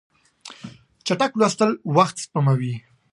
چټک لوستل وخت سپموي.